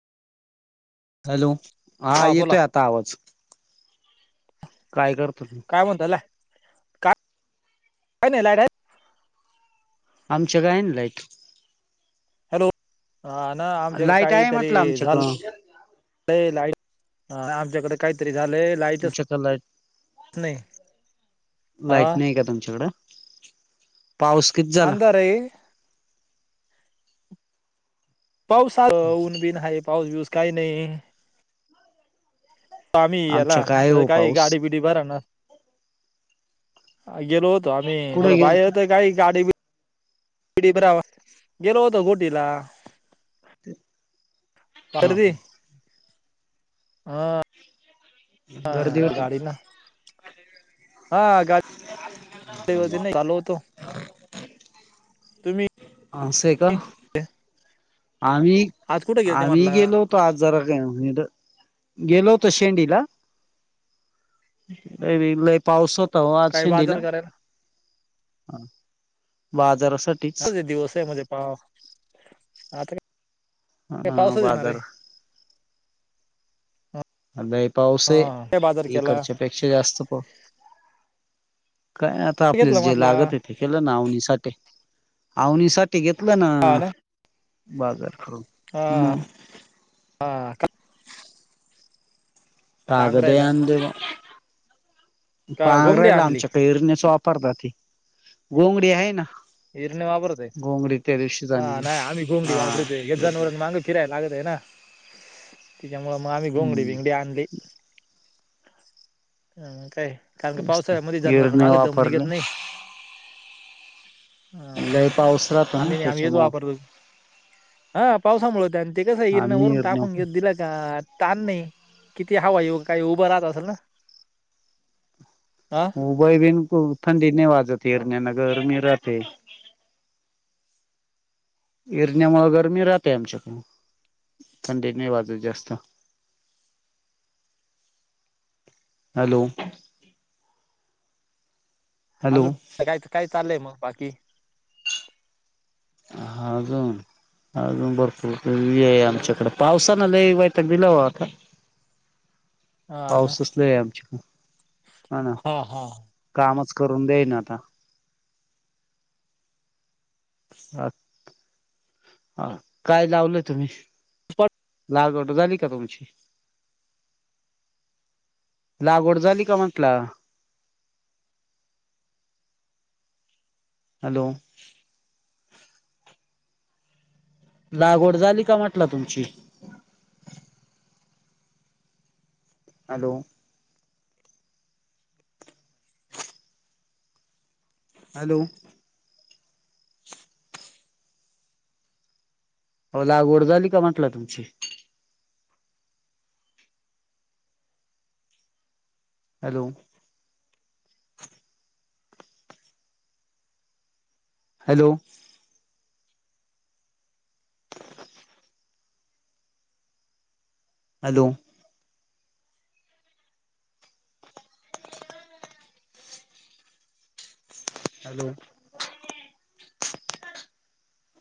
Hello हा येतोय आता आवाज काय कर काय म्हणतला काय काय नाही लाईट आहे. आमच्या काय लाईक. हॅलो हा ना आमच्या आहे म्हटलं काहीतरी झालं आमच्याकडं लाईट. ह आमच्याकडे काहीतरी झाले लाईट तुमच्याकड लाईट नाही हा. लाईट नाही का तुमच्याकडं पाऊस किती झाला. अंधार आहे पाऊस ऊन बीन आहे पाऊस बिऊस काही नाही. आम्ही आमच्या याला काय तर हो काही पाऊस गाडी बिडी बरणार. गेो होतो आमही थोड कुठे गेल बाहेर होतो काही गाडी. बरावा गेलो होतो गोटला ते पारध हा गर्दी होती गाडी ना हा गाडीती नाही चालू होतो तुम्ही अ स का आम्ही आज कुठे गेलते आम्ही म्हटलं गेलो होतो आज जरा काय म गेलो होत शेंडीला ए ब पाऊसत त आज काय शेंंदला बाजार करायला बाजार ह दिवस आहे म्हणजे पाव आता काय. ह पावसाच येणार बादर. आहे आ पाऊस हा काय बाजार आहे केला इकडच्या पेक्षा जास्त प काय आता आपल्याला घेतलं जे म्हटला लागत आहे ते केलं ना आवनीसाठी आवनीसाठी. घेतलं ना बाजार. हा म. हा पांघरायला प्रगदया दि. का घोंगडी पांढराला आणली आमच्या कैरनेच वापरतातात ते गोंगडी आहे ना. हर्न वा बरते. गोंगडी त्या दिवशीच हा आणली नाही आम्ही घोमडी हा वापरतोय एक जण व माांग फिरायला लागत आहे ना. त्यािच्यामु मग आम्ही घोंगडी हम्म भिंगडी आणली काय. कारण क तेच तर पावसाळ्यामध्येध्ये जनवर इरणे मागे दम निघेत वापरले नाही. हा ना लय पाऊस राहतो ना आम्ही नाही आम्ही येत त्याच्यामुळं वापरतो ह. पावसामुळे होते आणि ते कसं हिरण आम्ही वरून इरण्या टाकून घेत दिला का. ताण नाही किती हवां ये काही उभं राहत असल ना. हा उभय ब थंडी नाही वाजते हिरण्यान गरमी राहते. हरण्यामुं गरमी राहतेय आमच्याकड थंडी नाही वाजत जास्त. [inaudible] हॅलो!. हॅलो अजून काय काय चाललंय मग बाकी. अगून. अजून भरपूर आहे आमच्याकडे पावसान लई वाईटक दिलावा आता. [inaudible] ना पाऊसच ल आहे आमच्या हा ना कामच. करून दे्याई ना आता. अ हा काय लावलं तुम्ही. लाल गोट झाली का तुमची. लागवड झाली का म्हटला. ह [unintelligible] हॅलो. लागवड झाली का म्हटलं तुमची? हॅलो हॅलो हो लागवड झाली का म्हंटलं तुमची? Hello hello hello [inaudible]